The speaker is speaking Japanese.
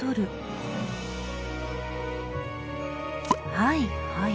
はいはい。